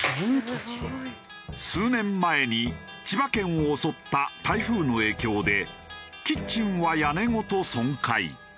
数年前に千葉県を襲った台風の影響でキッチンは屋根ごと損壊。